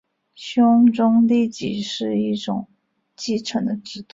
兄终弟及是一种继承的制度。